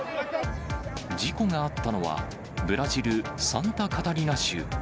事故があったのは、ブラジル・サンタカタリナ州。